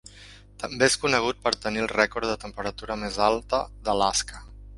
També és conegut per tenir el rècord de temperatura més alta d'Alaska.